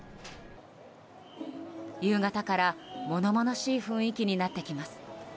夕方から物々しい雰囲気になってきます。